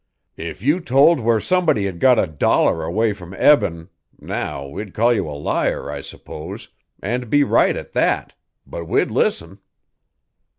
If you told where somebody had got a dollar away from Eben, now, we'd call you a liar, I s'pose and be right at that but we'd listen."